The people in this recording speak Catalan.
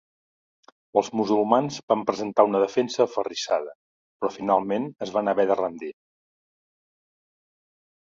Els musulmans van presentar una defensa aferrissada, però finalment es van haver de rendir.